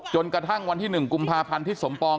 จนกระทั่งวันที่๑กุมภาพันธ์ทิศสมปอง